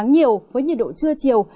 có nắng nhiều với nhiệt độ trưa chiều